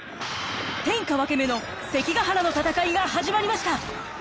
天下分け目の関ヶ原の戦いが始まりました。